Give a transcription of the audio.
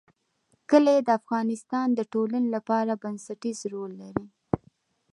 کلي د افغانستان د ټولنې لپاره بنسټيز رول لري.